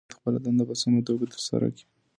هر څوک باید خپله دنده په سمه توګه ترسره کړي.